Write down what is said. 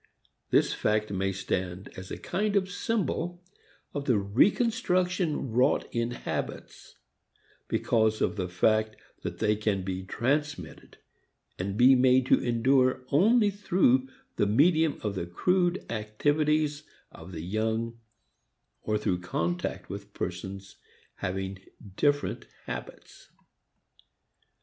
This fact may stand as a kind of symbol of the reconstruction wrought in habits because of the fact that they can be transmitted and be made to endure only through the medium of the crude activities of the young or through contact with persons having different habits.